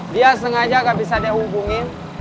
dia sengaja gak bisa dihubungin